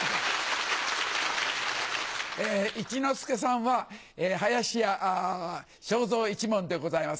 一之輔さんは、林家正蔵一門でございます。